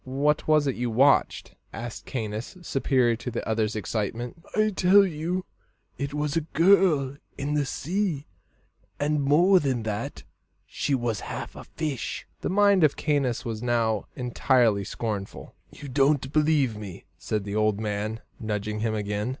"What was it you watched?" asked Caius, superior to the other's excitement. "I tell you, it was a girl in the sea; and more than that she was half a fish." The mind of Caius was now entirely scornful. "You don't believe me," said the old man, nudging him again.